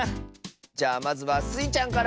じゃあまずはスイちゃんから！